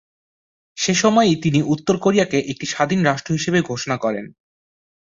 সে সময়ই তিনি উত্তর কোরিয়াকে একটি স্বাধীন রাষ্ট্র হিসেবে ঘোষণা করেন।